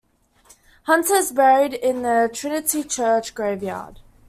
Hunter is buried in the Trinity Church graveyard.